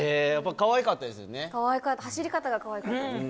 かわいかった、走り方がかわいかった。